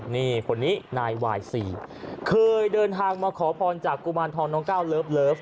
นี่คนนี้นายวาย๔เคยเดินทางมาขอพรจากกุมารทองน้องก้าวเลิฟ